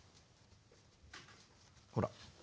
ほら。